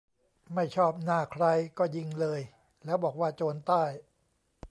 "ไม่ชอบหน้าใครก็ยิงเลย แล้วบอกว่าโจรใต้"